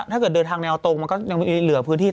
ถ้าเกิดเดินทางแนวตรงมันก็ยังมีเหลือพื้นที่